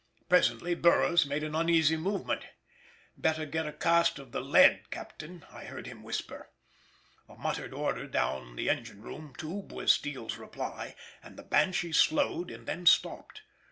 Presently Burroughs made an uneasy movement—"Better get a cast of the lead, Captain," I heard him whisper. A muttered order down the engine room tube was Steele's reply, and the Banshee slowed and then stopped.